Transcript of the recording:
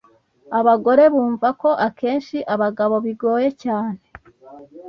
Abagore bumva ko akenshi abagabo bigoye cyane